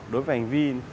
đối với hành vi